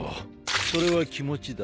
それは気持ちだ。